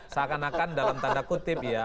seakan akan dalam tanda kutip ya